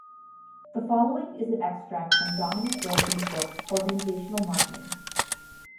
The following is an extract from Dominic Wilson's book "Organizational Marketing".